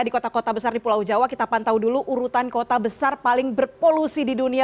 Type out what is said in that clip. di kota kota besar di pulau jawa kita pantau dulu urutan kota besar paling berpolusi di dunia